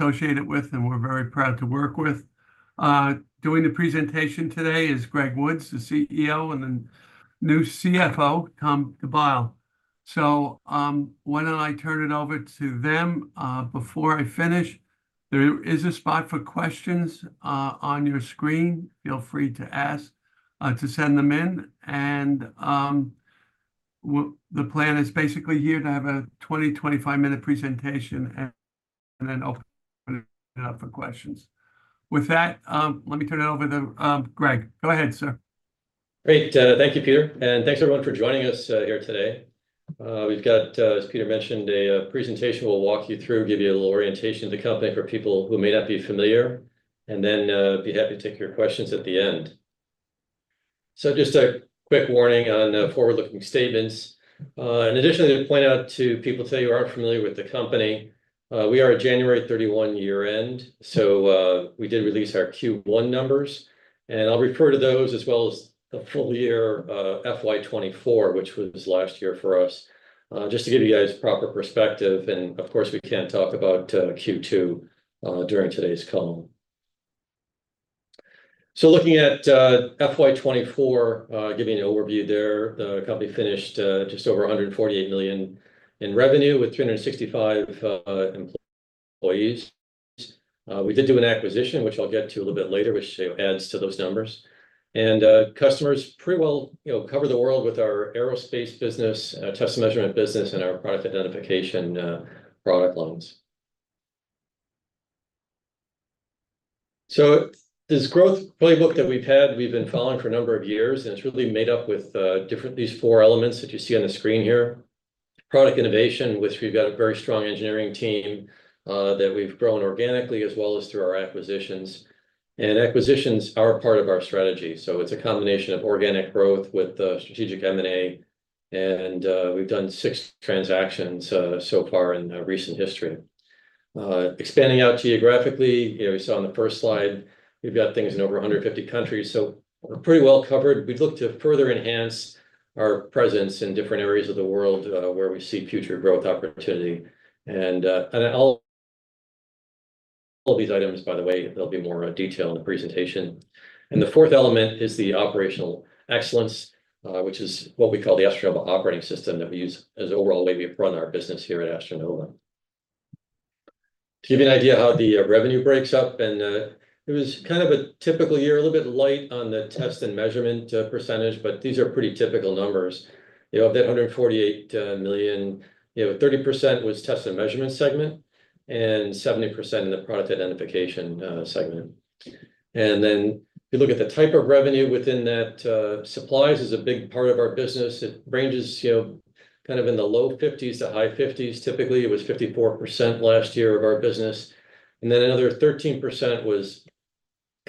...associated with, and we're very proud to work with. Doing the presentation today is Greg Woods, the CEO, and the new CFO, Tom DeByle. So, why don't I turn it over to them? Before I finish, there is a spot for questions on your screen. Feel free to ask to send them in, and the plan is basically here to have a 20-25-minute presentation, and then open it up for questions. With that, let me turn it over to Greg. Go ahead, sir. Great. Thank you, Peter, and thanks, everyone, for joining us here today. We've got, as Peter mentioned, a presentation. We'll walk you through, give you a little orientation of the company for people who may not be familiar, and then be happy to take your questions at the end. So just a quick warning on forward-looking statements. In addition to point out to people today who aren't familiar with the company, we are a January 31 year-end, so we did release our Q1 numbers, and I'll refer to those as well as the full year, FY 2024, which was last year for us. Just to give you guys proper perspective, and of course, we can't talk about Q2 during today's call. Looking at FY 2024, giving you an overview there, the company finished just over $148 million in revenue with 365 employees. We did do an acquisition, which I'll get to a little bit later, which adds to those numbers. Customers pretty well, you know, cover the world with our aerospace business, test measurement business, and our product identification product lines. This growth playbook that we've had, we've been following for a number of years, and it's really made up with different these four elements that you see on the screen here. Product innovation, which we've got a very strong engineering team, that we've grown organically as well as through our acquisitions. Acquisitions are a part of our strategy, so it's a combination of organic growth with strategic M&A, and we've done 6 transactions so far in recent history. Expanding out geographically, you know, you saw on the first slide, we've got things in over 150 countries, so we're pretty well covered. We'd look to further enhance our presence in different areas of the world, where we see future growth opportunity, and then all these items, by the way, there'll be more in detail in the presentation. The fourth element is the operational excellence, which is what we call the AstroNova Operating System that we use as the overall way we run our business here at AstroNova. To give you an idea how the revenue breaks up, and it was kind of a typical year, a little bit light on the test and measurement percentage, but these are pretty typical numbers. You know, of that $148 million, you know, 30% was test and measurement segment, and 70% in the product identification segment. And then you look at the type of revenue within that, supplies is a big part of our business. It ranges, you know, kind of in the low 50s to high 50s. Typically, it was 54% last year of our business, and then another 13% was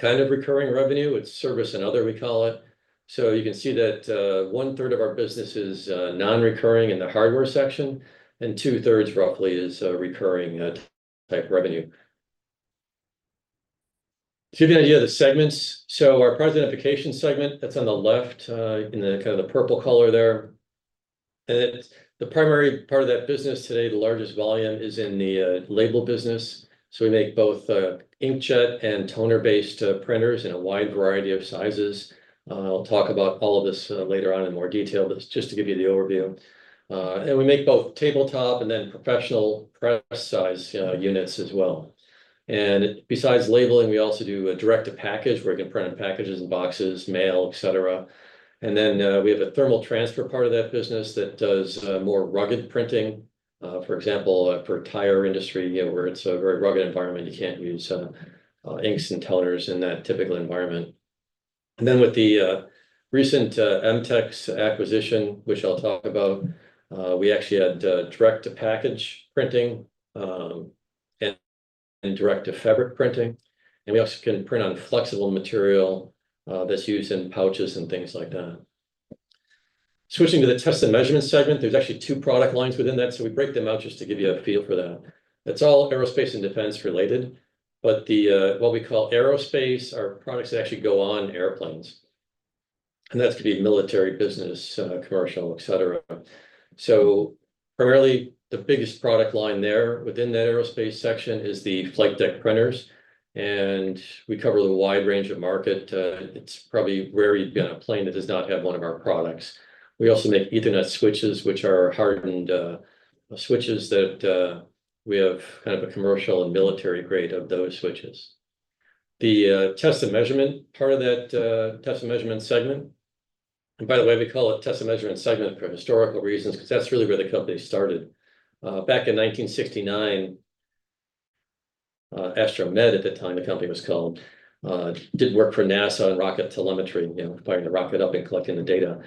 kind of recurring revenue. It's service and other, we call it. So you can see that, one-third of our business is, non-recurring in the hardware section, and two-thirds, roughly, is, recurring type revenue. To give you an idea of the segments, so our product identification segment, that's on the left, in the kind of the purple color there. And the primary part of that business today, the largest volume, is in the label business. So we make both inkjet and toner-based printers in a wide variety of sizes. I'll talk about all of this later on in more detail, but just to give you the overview. And we make both tabletop and then professional press size units as well. And besides labeling, we also do a direct-to-package, where we can print on packages and boxes, mail, et cetera. And then we have a thermal transfer part of that business that does more rugged printing. For example, for tire industry, you know, where it's a very rugged environment, you can't use inks and toners in that typical environment. And then with the recent MTEX acquisition, which I'll talk about, we actually add direct-to-package printing, and direct-to-fabric printing. And we also can print on flexible material, that's used in pouches and things like that. Switching to the test and measurement segment, there's actually two product lines within that, so we break them out just to give you a feel for that. That's all aerospace and defense related, but the, what we call aerospace, are products that actually go on airplanes, and that's could be military, business, commercial, et cetera. So primarily, the biggest product line there within that aerospace section is the flight deck printers, and we cover a wide range of market. It's probably rare you'd be on a plane that does not have one of our products. We also make Ethernet switches, which are hardened switches that we have kind of a commercial and military grade of those switches. The test and measurement part of that test and measurement segment. And by the way, we call it test and measurement segment for historical reasons, 'cause that's really where the company started. Back in 1969, Astro-Med, at the time the company was called, did work for NASA on rocket telemetry, you know, firing the rocket up and collecting the data.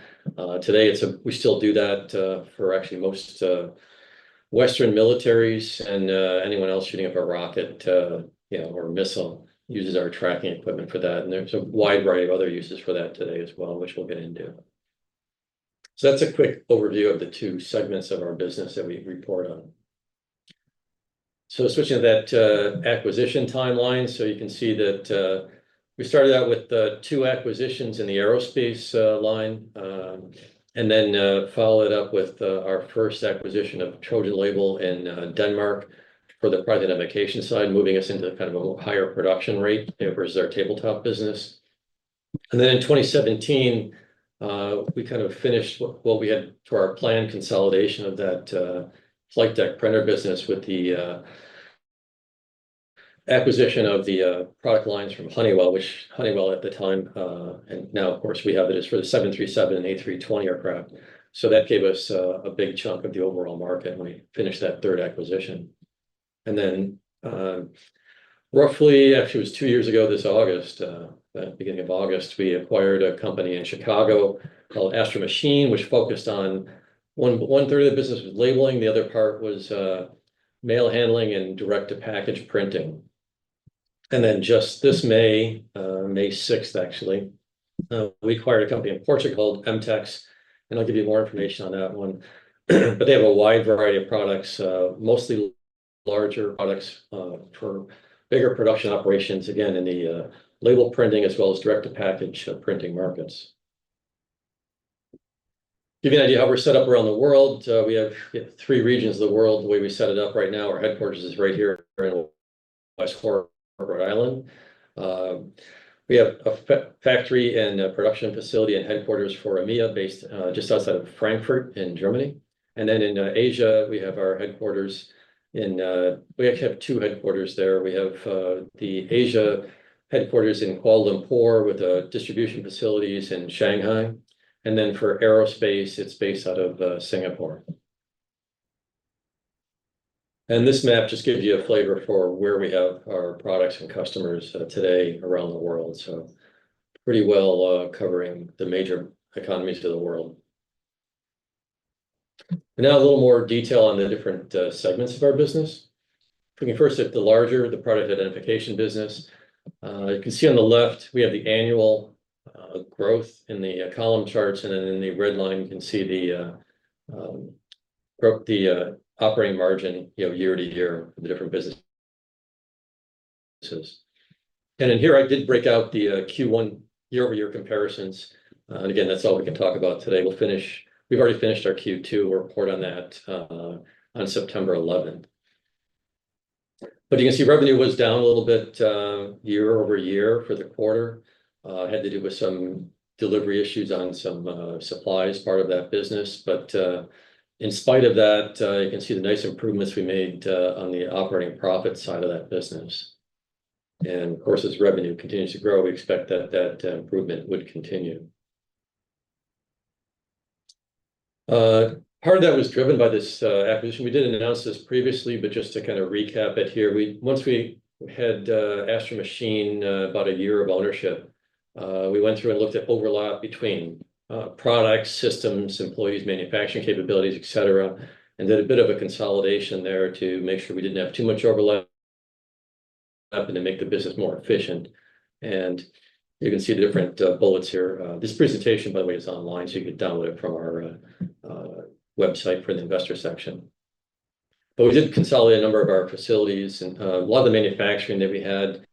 Today, we still do that for actually most Western militaries and anyone else shooting up a rocket, you know, or missile, uses our tracking equipment for that. And there's a wide variety of other uses for that today as well, which we'll get into. So that's a quick overview of the two segments of our business that we report on. So switching to that, acquisition timeline, so you can see that... We started out with two acquisitions in the aerospace line, and then followed up with our first acquisition of TrojanLabel in Denmark for the product identification side, moving us into kind of a higher production rate versus our tabletop business. And then in 2017, we kind of finished what we had to our planned consolidation of that flight deck printer business with the acquisition of the product lines from Honeywell, which Honeywell at the time, and now of course we have it, is for the 737 and A320 aircraft. So that gave us a big chunk of the overall market when we finished that third acquisition. Then, roughly, actually it was two years ago this August, the beginning of August, we acquired a company in Chicago called Astro Machine, which focused on... One-third of the business was labeling, the other part was mail handling and direct-to-package printing. Then just this May, May 6th, actually, we acquired a company in Portugal called MTEX, and I'll give you more information on that one. But they have a wide variety of products, mostly larger products, for bigger production operations, again, in the label printing as well as direct-to-package printing markets. To give you an idea how we're set up around the world, we have, we have three regions of the world. The way we set it up right now, our headquarters is right here in West Warwick, Rhode Island. We have a factory and a production facility and headquarters for EMEA, based just outside of Frankfurt, in Germany. And then in Asia, we have our headquarters in... We actually have two headquarters there. We have the Asia headquarters in Kuala Lumpur, with distribution facilities in Shanghai. And then for aerospace, it's based out of Singapore. And this map just gives you a flavor for where we have our products and customers today around the world. So pretty well covering the major economies of the world. And now a little more detail on the different segments of our business. Looking first at the larger, the product identification business. You can see on the left, we have the annual growth in the column charts, and then in the red line, you can see the growth, the operating margin, you know, year to year for the different businesses. And in here, I did break out the Q1 year-over-year comparisons. And again, that's all we can talk about today. We'll finish—We've already finished our Q2. We'll report on that on September 11th. But you can see revenue was down a little bit year-over-year for the quarter. Had to do with some delivery issues on some supplies, part of that business. But in spite of that, you can see the nice improvements we made on the operating profit side of that business. Of course, as revenue continues to grow, we expect that that improvement would continue. Part of that was driven by this acquisition. We didn't announce this previously, but just to kind of recap it here, once we had Astro Machine about a year of ownership, we went through and looked at overlap between products, systems, employees, manufacturing capabilities, et cetera, and did a bit of a consolidation there to make sure we didn't have too much overlap, and to make the business more efficient. You can see the different bullets here. This presentation, by the way, is online, so you can download it from our website for the investor section. We did consolidate a number of our facilities, and a lot of the manufacturing that we had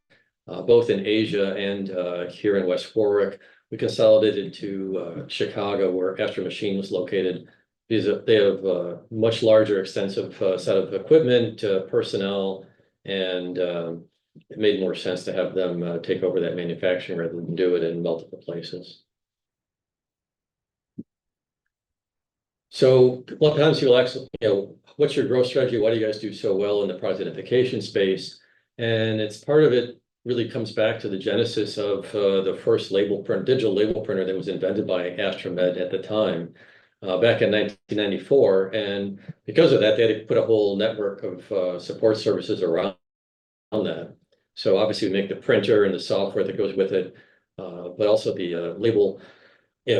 both in Asia and here in West Warwick, we consolidated to Chicago, where Astro Machine was located. Because they have a much larger, extensive set of equipment, personnel, and it made more sense to have them take over that manufacturing rather than do it in multiple places. A lot of times people ask, you know, "What's your growth strategy? Why do you guys do so well in the product identification space?" It's part of it really comes back to the genesis of the first digital label printer that was invented by AstroMed at the time back in 1994. Because of that, they had to put a whole network of support services around that. So obviously, we make the printer and the software that goes with it, but also the label, you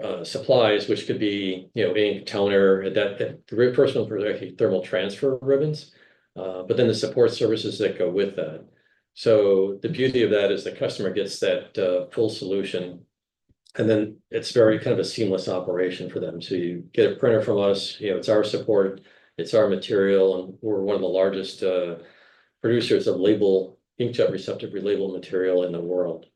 know, supplies, which could be, you know, ink, toner, thermal transfer ribbons, but then the support services that go with that. So the beauty of that is the customer gets that full solution, and then it's very kind of a seamless operation for them. So you get a printer from us, you know, it's our support, it's our material, and we're one of the largest producers of label inkjet-receptive label material in the world.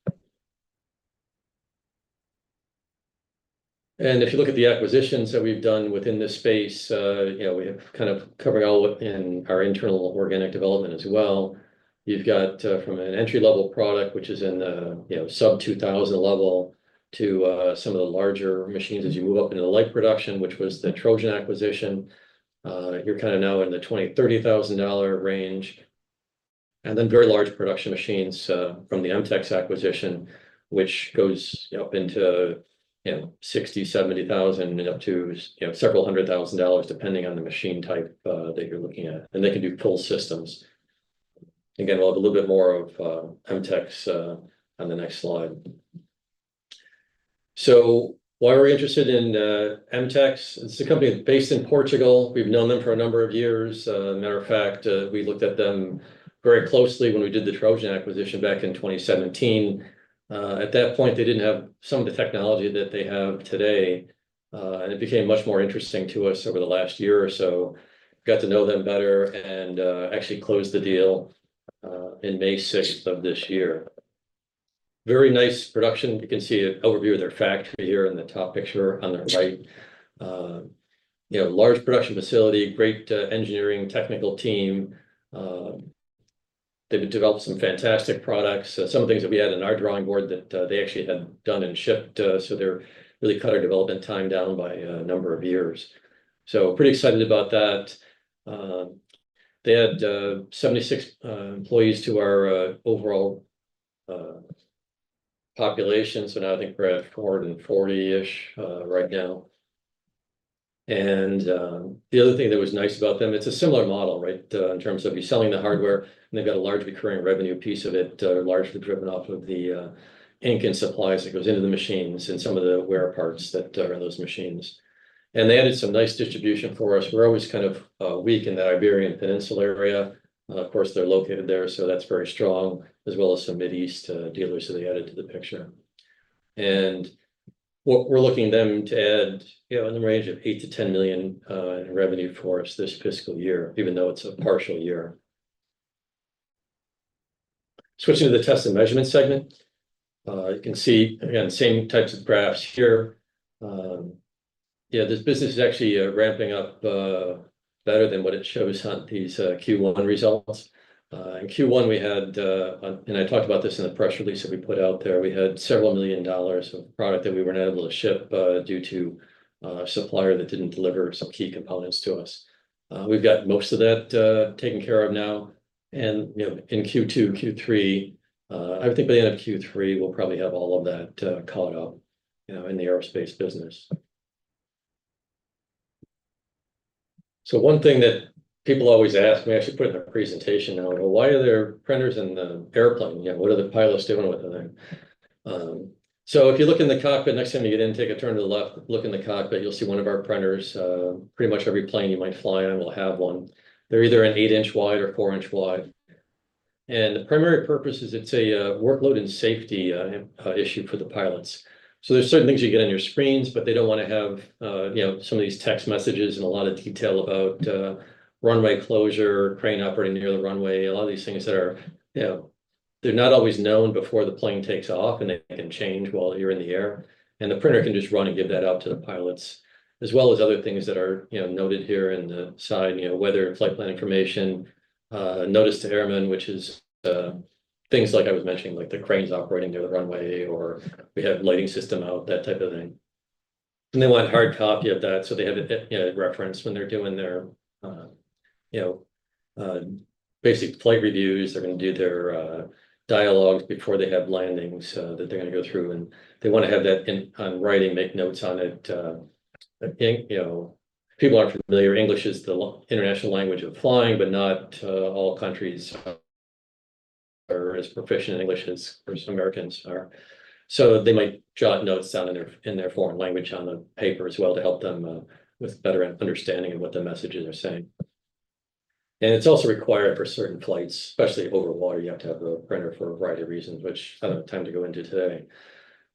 And if you look at the acquisitions that we've done within this space, you know, we have kind of covering all in our internal organic development as well. You've got from an entry-level product, which is in the, you know, sub-$2,000 level, to some of the larger machines. As you move up into the light production, which was the Trojan acquisition, you're kind of now in the $20,000-$30,000 range. Then very large production machines from the MTEX acquisition, which goes, you know, up into, you know, $60,000-$70,000, and up to, you know, several hundred thousand dollars, depending on the machine type that you're looking at. And they can do full systems. Again, we'll have a little bit more of MTEX on the next slide. So why are we interested in MTEX? It's a company based in Portugal. We've known them for a number of years. Matter of fact, we looked at them very closely when we did the Trojan acquisition back in 2017. At that point, they didn't have some of the technology that they have today, and it became much more interesting to us over the last year or so. Got to know them better and, actually, closed the deal in May 6th of this year. Very nice production. You can see an overview of their factory here in the top picture on the right. You know, large production facility, great engineering technical team. They've developed some fantastic products. Some things that we had on our drawing board that they actually had done and shipped, so they're really cut our development time down by a number of years. So pretty excited about that. They add 76 employees to our overall population, so now I think we're at 440-ish right now. And the other thing that was nice about them, it's a similar model, right? In terms of you're selling the hardware, and they've got a large recurring revenue piece of it, largely driven off of the ink and supplies that goes into the machines and some of the wear parts that are in those machines. And they added some nice distribution for us. We're always kind of weak in the Iberian Peninsula area, and of course, they're located there, so that's very strong, as well as some Middle East dealers that they added to the picture. What we're looking at them to add, you know, in the range of $8 million-$10 million in revenue for us this fiscal year, even though it's a partial year. Switching to the test and measurement segment, you can see, again, the same types of graphs here. Yeah, this business is actually ramping up better than what it shows on these Q1 results. In Q1 we had, and I talked about this in the press release that we put out there, we had $several million of product that we weren't able to ship due to a supplier that didn't deliver some key components to us. We've got most of that taken care of now, and, you know, in Q2, Q3, I think by the end of Q3, we'll probably have all of that caught up, you know, in the aerospace business. So one thing that people always ask me, I should put in a presentation now, "Why are there printers in the airplane? Yeah, what are the pilots doing with them?" So if you look in the cockpit, next time you get in, take a turn to the left, look in the cockpit, you'll see one of our printers. Pretty much every plane you might fly on will have one. They're either an 8-inch wide or 4-inch wide, and the primary purpose is it's a workload and safety issue for the pilots. There's certain things you get on your screens, but they don't wanna have, you know, some of these text messages and a lot of detail about, runway closure, crane operating near the runway, a lot of these things that are, you know, they're not always known before the plane takes off, and they can change while you're in the air. The printer can just run and give that out to the pilots, as well as other things that are, you know, noted here in the side, you know, weather and flight plan information, Notice to Airmen, which is, things like I was mentioning, like the cranes operating near the runway, or we have lighting system out, that type of thing. They want a hard copy of that, so they have a, you know, reference when they're doing their, you know, basic flight reviews. They're gonna do their, dialogues before they have landings, that they're gonna go through, and they wanna have that in writing, make notes on it. You know, if people aren't familiar, English is the international language of flying, but not, all countries are as proficient in English as most Americans are. So they might jot notes down in their, in their foreign language on the paper as well, to help them, with better understanding of what the messages are saying. It's also required for certain flights, especially over water, you have to have a printer for a variety of reasons, which I don't have time to go into today.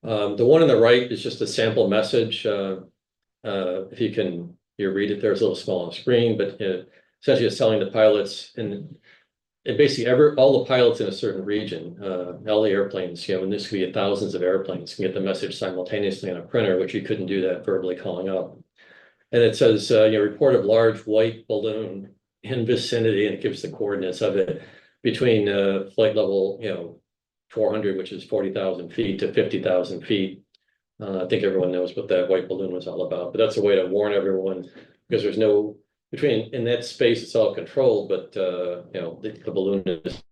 The one on the right is just a sample message. If you can read it there, it's a little small on screen, but it essentially is telling the pilots and basically all the pilots in a certain region, all the airplanes, you know, and this could be thousands of airplanes, can get the message simultaneously on a printer, which you couldn't do that verbally calling out. And it says, "Your report of large white balloon in vicinity," and it gives the coordinates of it, "between flight level, you know, 400, which is 40,000 feet-50,000 feet." I think everyone knows what that white balloon was all about, but that's a way to warn everyone because there's no... Between, in that space, it's all controlled, but, you know, the balloon is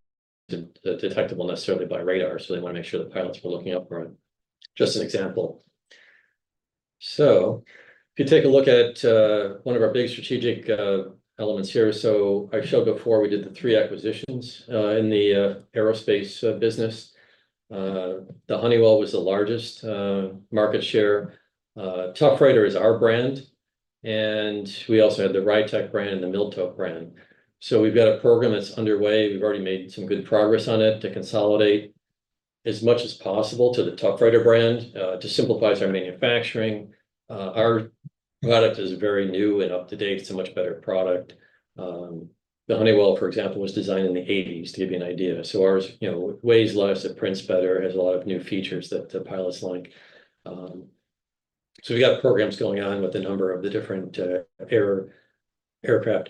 detectable necessarily by radar, so they wanna make sure the pilots were looking out for it. Just an example. So if you take a look at, one of our big strategic, elements here. So I showed before, we did the three acquisitions, in the, aerospace, business. The Honeywell was the largest, market share. ToughWriter is our brand, and we also had the RITEC brand and the Miltope brand. So we've got a program that's underway. We've already made some good progress on it to consolidate as much as possible to the ToughWriter brand, to simplify our manufacturing. Our product is very new and up-to-date. It's a much better product. The Honeywell, for example, was designed in the eighties, to give you an idea. So ours, you know, weighs less, it prints better, has a lot of new features that the pilots like. So we got programs going on with a number of the different aircraft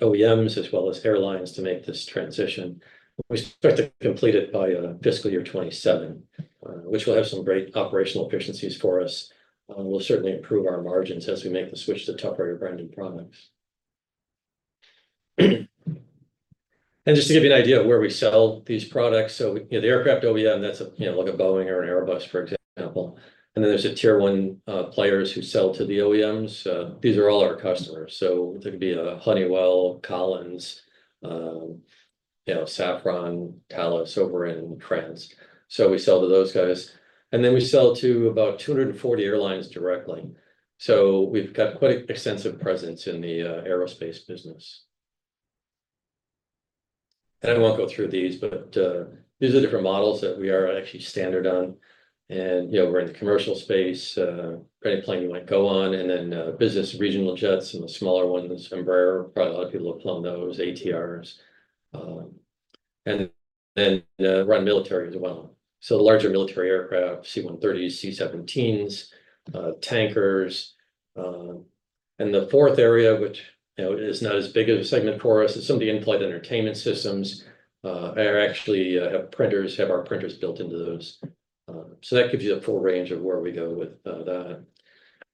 OEMs, as well as airlines, to make this transition. We expect to complete it by fiscal year 2027, which will have some great operational efficiencies for us, will certainly improve our margins as we make the switch to ToughWriter brand and products. And just to give you an idea of where we sell these products, so, you know, the aircraft OEM, that's a, you know, like a Boeing or an Airbus, for example. And then there's a tier one players who sell to the OEMs. These are all our customers, so they could be a Honeywell, Collins, you know, Safran, Thales, Astronics, and TransDigm. So we sell to those guys, and then we sell to about 240 airlines directly. So we've got quite an extensive presence in the aerospace business, and I won't go through these, but these are different models that we are actually standard on. And, you know, we're in the commercial space, any plane you might go on, and then business regional jets, and the smaller ones, Embraer. Probably a lot of people have flown those, ATRs. And then and military as well. So the larger military aircraft, C-130, C-17s, tankers. And the fourth area, which, you know, is not as big of a segment for us, is some of the in-flight entertainment systems are actually have printers, have our printers built into those. So that gives you the full range of where we go with that.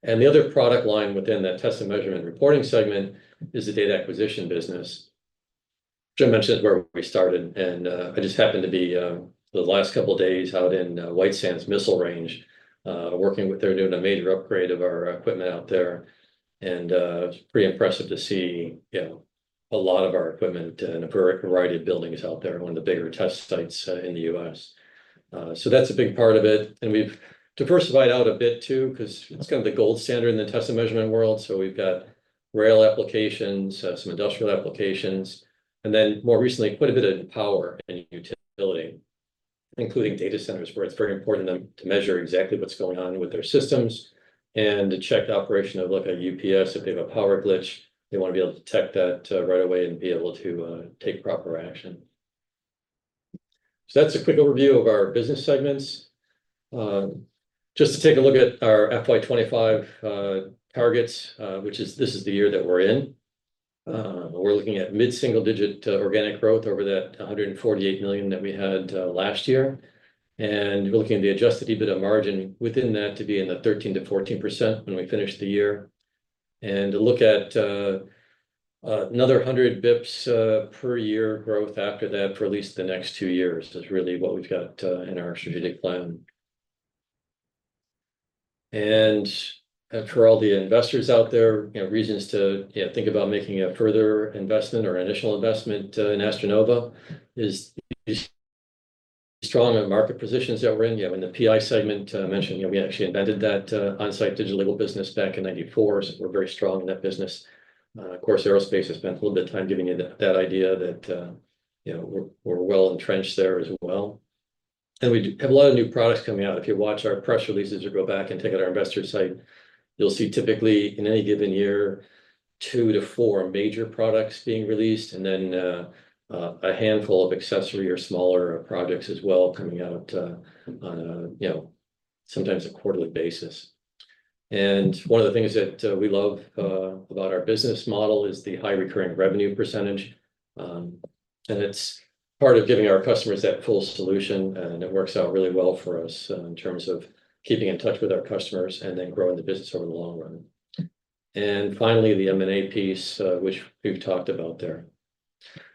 And the other product line within that test and measurement and reporting segment is the data acquisition business. Jim mentioned that's where we started, and I just happened to be the last couple of days out in White Sands Missile Range working with- They're doing a major upgrade of our equipment out there, and it's pretty impressive to see, you know, a lot of our equipment and a variety of buildings out there, and one of the bigger test sites in the U.S. So that's a big part of it, and we've diversified out a bit, too, 'cause it's kind of the gold standard in the test and measurement world. So we've got rail applications, some industrial applications, and then more recently, quite a bit in power and utility, including data centers, where it's very important to them to measure exactly what's going on with their systems, and to check the operation of, look at UPS. If they have a power glitch, they wanna be able to detect that right away and be able to take proper action. So that's a quick overview of our business segments. Just to take a look at our FY 25 targets, which is—this is the year that we're in. We're looking at mid-single digit organic growth over that $148 million that we had last year. And we're looking at the adjusted EBITDA margin within that to be in the 13%-14% when we finish the year. And to look at another 100 basis points per year growth after that, for at least the next 2 years, is really what we've got in our strategic plan. And for all the investors out there, you know, reasons to, you know, think about making a further investment or initial investment in AstroNova is the strong end-market positions that we're in. You know, in the PI segment, I mentioned, you know, we actually invented that on-site digital label business back in 1994, so we're very strong in that business. Of course, aerospace, I spent a little bit of time giving you that idea, that you know, we're well entrenched there as well. And we do have a lot of new products coming out. If you watch our press releases or go back and take a look at our investor site, you'll see typically, in any given year, 2-4 major products being released, and then, a handful of accessory or smaller projects as well, coming out, on a, you know, sometimes a quarterly basis. And one of the things that, we love, about our business model is the high recurring revenue percentage. And it's part of giving our customers that full solution, and it works out really well for us, in terms of keeping in touch with our customers and then growing the business over the long run. And finally, the M&A piece, which we've talked about there.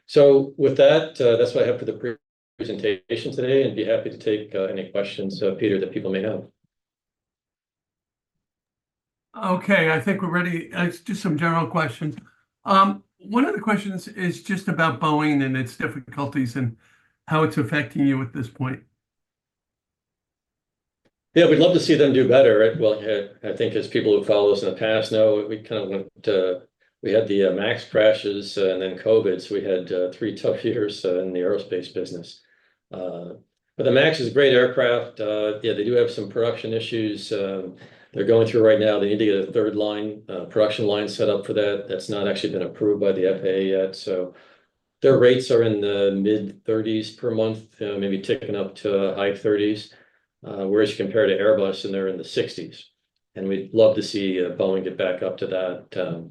So with that, that's what I have for the presentation today, and be happy to take, any questions, so Peter, that people may have. Okay, I think we're ready. Just some general questions. One of the questions is just about Boeing and its difficulties, and how it's affecting you at this point. Yeah, we'd love to see them do better. Well, I think as people who followed us in the past know, we kind of went, we had the, MAX crashes, and then Covid. So we had, three tough years in the aerospace business. But the MAX is a great aircraft. Yeah, they do have some production issues, they're going through right now. They need to get a third line, production line set up for that. That's not actually been approved by the FAA yet, so their rates are in the mid-30s per month, maybe ticking up to high 30s. Whereas compared to Airbus, and they're in the 60s, and we'd love to see, Boeing get back up to that...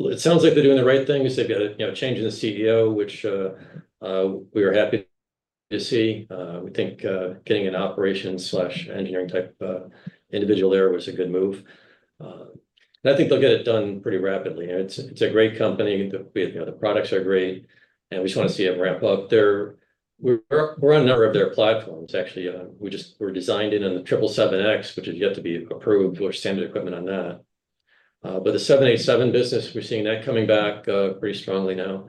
It sounds like they're doing the right things. They've got, you know, a change in the CEO, which, we are happy to see. We think, getting an operations/engineering type, individual there was a good move. And I think they'll get it done pretty rapidly. And it's, it's a great company. The, the, you know, the products are great, and we just wanna see them ramp up. We're, we're on a number of their platforms, actually. We're designed in, in the 777X, which is yet to be approved for standard equipment on that. But the 787 business, we're seeing that coming back, pretty strongly now.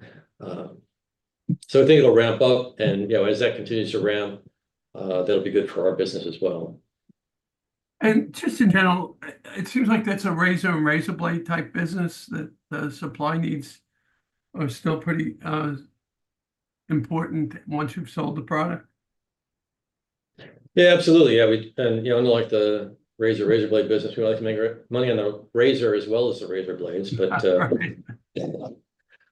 So I think it'll ramp up, and, you know, as that continues to ramp, that'll be good for our business as well. Just in general, it seems like that's a razor and razor blade type business, that the supply needs are still pretty important once you've sold the product. Yeah, absolutely. Yeah, we... And, you know, unlike the razor, razor blade business, we like to make our money on the razor as well as the razor blades, but Right.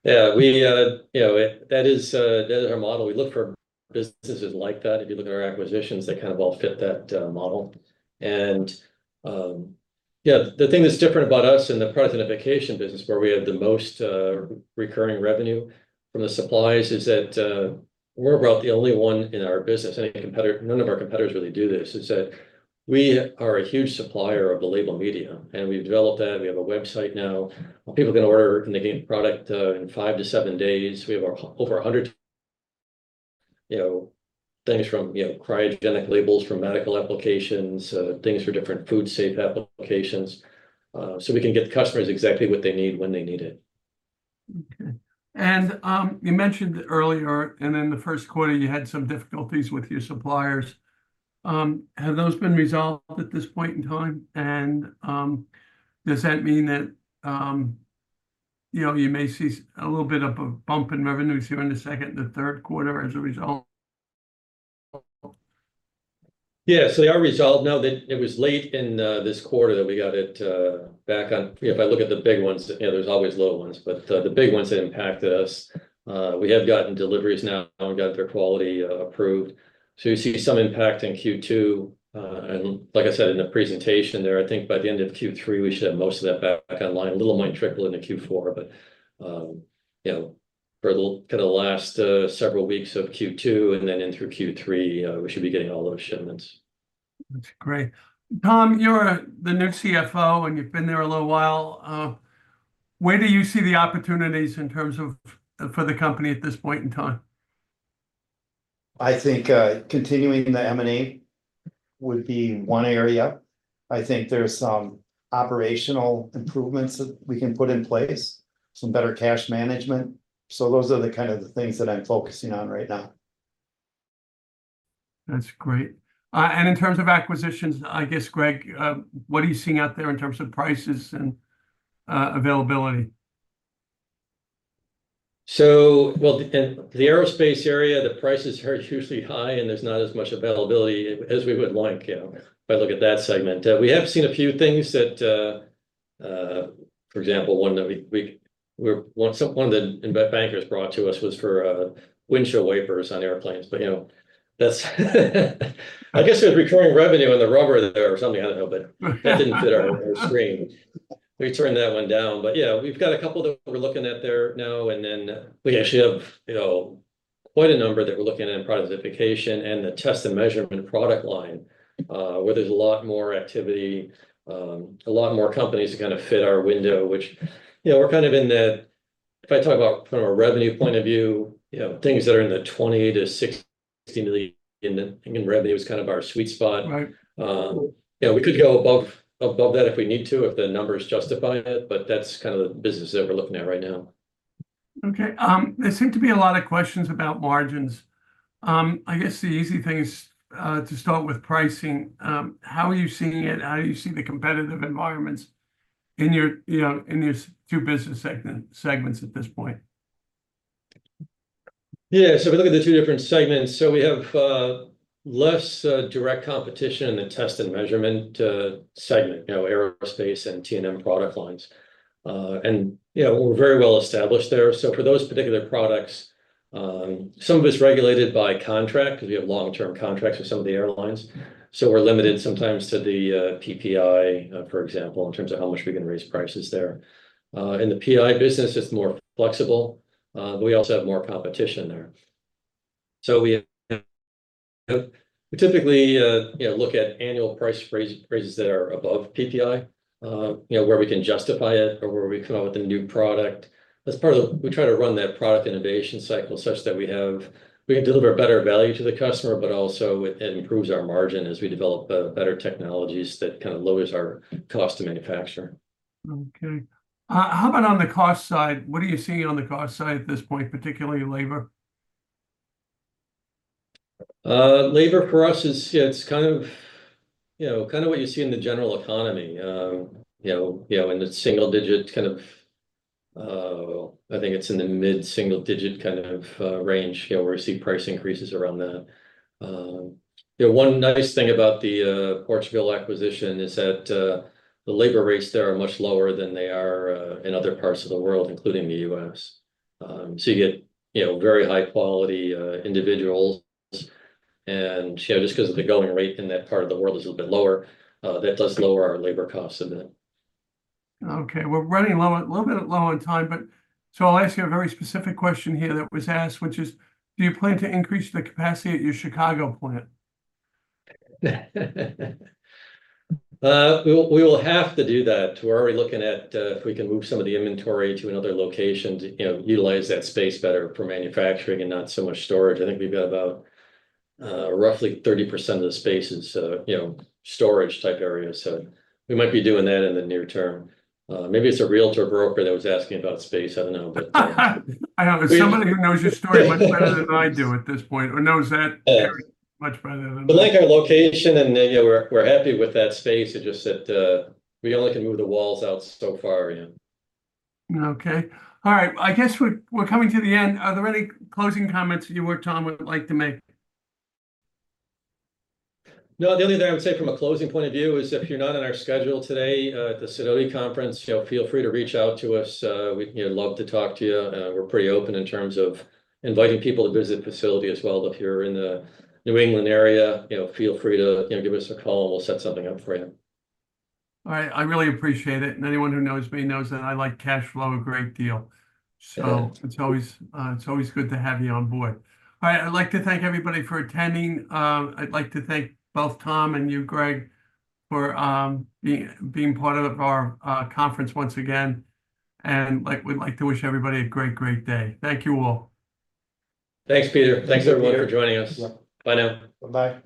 Yeah, we, you know, that is our model. We look for businesses like that. If you look at our acquisitions, they kind of all fit that, model. And, yeah, the thing that's different about us in the product identification business, where we have the most, recurring revenue from the supplies, is that, we're about the only one in our business. Any competitor, none of our competitors really do this. Is that we are a huge supplier of the label media, and we've developed that, and we have a website now. People can order, and they get product, in 5-7 days. We have over 100. You know, things from, you know, cryogenic labels for medical applications, things for different food safe applications. So we can get customers exactly what they need, when they need it. Okay. And you mentioned earlier, and in the first quarter, you had some difficulties with your suppliers. Have those been resolved at this point in time? And does that mean that you know, you may see a little bit of a bump in revenues here in the second and the third quarter as a result? Yeah, so they are resolved. No, it was late in this quarter that we got it back on. You know, if I look at the big ones, you know, there's always little ones, but the big ones that impacted us, we have gotten deliveries now, and we've got their quality approved. So you see some impact in Q2. And like I said in the presentation there, I think by the end of Q3, we should have most of that back online. A little might trickle into Q4, but you know, for the kind of the last several weeks of Q2, and then in through Q3, we should be getting all those shipments. That's great. Tom, you're the new CFO, and you've been there a little while. Where do you see the opportunities in terms of, for the company at this point in time? I think, continuing the M&A would be one area. I think there's some operational improvements that we can put in place, some better cash management. So those are the kind of the things that I'm focusing on right now. That's great. And in terms of acquisitions, I guess, Greg, what are you seeing out there in terms of prices and availability? So, well, in the aerospace area, the prices are hugely high, and there's not as much availability as we would like, you know, if I look at that segment. We have seen a few things that, for example, one that one of the investment bankers brought to us was for, windshield wipers on airplanes. But, you know, that's I guess it was recurring revenue on the rubber there or something, I don't know. But that didn't fit our stream. We turned that one down, but, you know, we've got a couple that we're looking at there now, and then we actually have, you know, quite a number that we're looking at in product identification and the test and measurement product line, where there's a lot more activity, a lot more companies to kind of fit our window, which, you know, we're kind of in the—if I talk about from a revenue point of view, you know, things that are in the $20 million-$60 million in revenue is kind of our sweet spot. Right. You know, we could go above, above that if we need to, if the numbers justify it, but that's kind of the business that we're looking at right now. Okay, there seem to be a lot of questions about margins. I guess the easy thing is to start with pricing. How are you seeing it? How are you seeing the competitive environments in your, you know, in these two business segments at this point? Yeah, so if we look at the two different segments, so we have less direct competition in the test and measurement segment, you know, aerospace and T&M product lines. And you know, we're very well-established there. So for those particular products, some of it's regulated by contract, because we have long-term contracts with some of the airlines. So we're limited sometimes to the PPI, for example, in terms of how much we can raise prices there. In the PI business, it's more flexible, but we also have more competition there. So we typically, you know, look at annual price raises that are above PPI, you know, where we can justify it or where we come out with a new product. As part of... We try to run that product innovation cycle such that we can deliver a better value to the customer, but also it improves our margin as we develop better technologies that kind of lowers our cost to manufacture. Okay. How about on the cost side? What are you seeing on the cost side at this point, particularly labor? Labor for us is, yeah, it's kind of, you know, kind of what you see in the general economy. You know, you know, in the single digit, kind of, I think it's in the mid-single digit kind of range, you know, where we see price increases around that. You know, one nice thing about the Portugal acquisition is that the labor rates there are much lower than they are in other parts of the world, including the U.S. So you get, you know, very high quality individuals, and, you know, just because of the going rate in that part of the world is a little bit lower, that does lower our labor costs a bit. Okay, we're running low, a little bit low on time, but so I'll ask you a very specific question here that was asked, which is: Do you plan to increase the capacity at your Chicago plant? We will have to do that. We're already looking at if we can move some of the inventory to another location to, you know, utilize that space better for manufacturing and not so much storage. I think we've got about roughly 30% of the space is, you know, storage-type areas. So we might be doing that in the near term. Maybe it's a realtor broker that was asking about space, I don't know, but- I know, but somebody who knows your storage much better than I do at this point, or knows that- Yes... much better than me. We like our location, and, you know, we're happy with that space. It's just that, we only can move the walls out so far in. Okay. All right, I guess we're coming to the end. Are there any closing comments you or Tom would like to make? No, the only thing I would say from a closing point of view is, if you're not on our schedule today, at the Sidoti Conference, you know, feel free to reach out to us. We'd, you know, love to talk to you. We're pretty open in terms of inviting people to visit the facility as well. If you're in the New England area, you know, feel free to, you know, give us a call, and we'll set something up for you. All right, I really appreciate it, and anyone who knows me knows that I like cash flow a great deal. Good. So it's always, it's always good to have you on board. All right, I'd like to thank everybody for attending. I'd like to thank both Tom and you, Greg, for being part of our conference once again, and like, we'd like to wish everybody a great, great day. Thank you, all. Thanks, Peter. Thanks, Peter. Thanks, everyone, for joining us. Bye now. Bye-bye.